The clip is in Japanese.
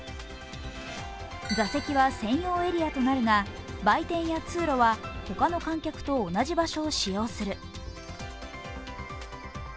座席は専用エリアとなるが売店や通路は他の観客と同じ場所を使用する。